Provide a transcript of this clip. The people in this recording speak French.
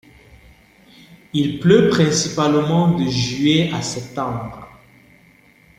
Il pleut principalement de juillet à septembre.